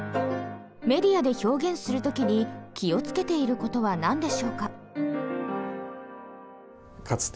メディアで表現する時に気をつけている事は何でしょうか？